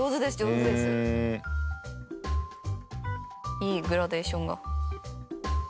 いいグラデーションが。